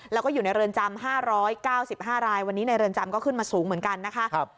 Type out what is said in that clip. แล้วก็อยู่ในเรือนจำ๕๙๕รายวันนี้ในเรือนจำก็ขึ้นมาสูงเหมือนกันนะคะ